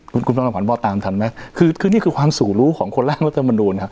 คุณคุณท่านลำควัญบ้อตามท่านไหมคือนี้คือความสูรู้ของคนหล่างรัฐมนูน